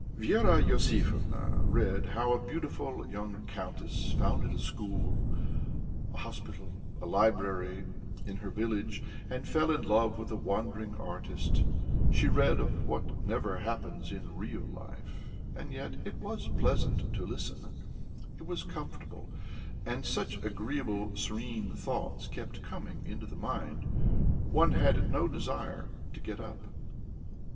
Vera Iosifovna read how a beautiful young countess founded a school, a hospital, a library, in her village, and fell in love with a wandering artist; she read of what never happens in real life, and yet it was pleasant to listen it was comfortable, and such agreeable, serene thoughts kept coming into the mind, one had no desire to get up.